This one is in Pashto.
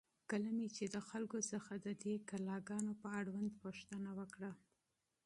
کله مې چې د خلکو څخه د دې کلا گانو په اړوند پوښتنه وکړه،